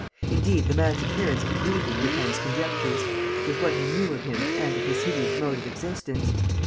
Indeed, the man's appearance agreed with Lupin's conjectures, with what he knew of him and of his hideous mode of existence.